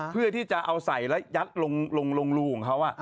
เพื่อที่จะเอาใส่แล้วยัดลงรูของเขา